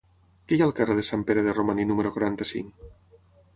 Què hi ha al carrer de Sant Pere de Romaní número quaranta-cinc?